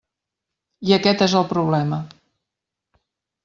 I aquest és el problema.